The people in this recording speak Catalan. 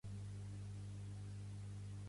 Pertany al moviment independentista la Mel?